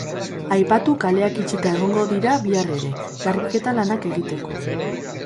Aipatu kaleak itxita egongo dira bihar ere, garbiketa lanak egiteko.